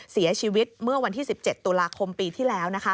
เสียชีวิตเมื่อวันที่๑๗ตุลาคมปีที่แล้ว